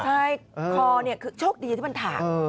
ใช่คอคือโชคดีที่มันถาด